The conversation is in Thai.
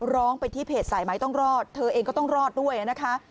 ร้องไปที่เพจสายไม้ต้องรอดเธอเองก็ต้องรอดด้วยนะคะ